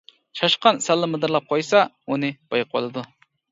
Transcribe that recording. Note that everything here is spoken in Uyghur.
چاشقان سەللا مىدىرلاپ قويسا ئۇنى بايقىۋالىدۇ.